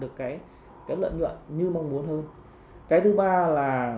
cái thứ bốn là